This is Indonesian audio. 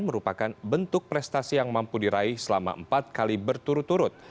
merupakan bentuk prestasi yang mampu diraih selama empat kali berturut turut